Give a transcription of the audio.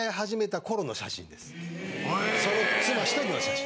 その妻１人の写真。